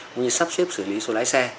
cũng như sắp xếp xử lý số lái xe